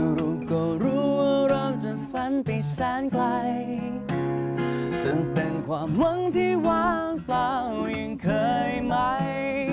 ลูกก็รู้ว่าเราจะฝันไปแสนไกลจนเป็นความหวังที่วางเปล่ายังเคยไหม